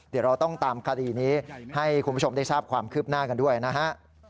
เดี๋ยวเราต้องตามคดีนี้ให้คุณผู้ชมได้ทราบความคืบหน้ากันด้วยนะฮะ